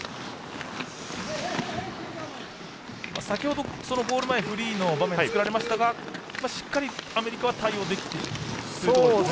先ほどゴール前フリーの場面作られましたがしっかりアメリカは対応できている。